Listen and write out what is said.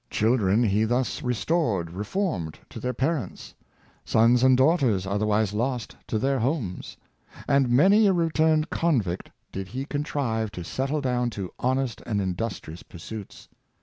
Children he thus restored reformed to their parents; sons and daughters, otherwise lost, to their homes; and many a returned convict did he con trive to settle down to honest and industrious pursuits.